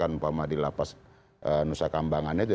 saya nggak katakan pak mas dilapas nusakambangannya itu